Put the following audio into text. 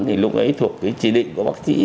thì lúc ấy thuộc cái chỉ định của bác sĩ